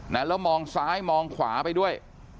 แล้วมองซ้ายมองขวาไปด้วย